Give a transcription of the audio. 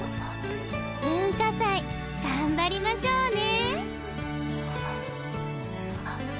文化祭頑張りましょうね。